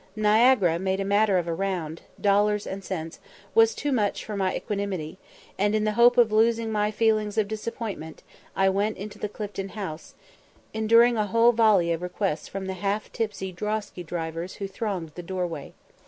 Niagara made a matter of "a round," dollars, and cents, was too much for my equanimity; and in the hope of losing my feelings of disappointment, I went into the Clifton House, enduring a whole volley of requests from the half tipsy drosky drivers who thronged the doorway.